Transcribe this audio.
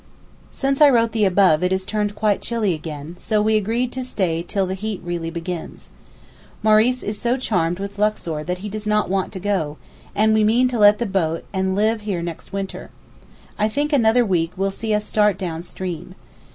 Since I wrote the above it has turned quite chilly again, so we agreed to stay till the heat really begins. Maurice is so charmed with Luxor that he does not want to go, and we mean to let the boat and live here next winter. I think another week will see us start down stream.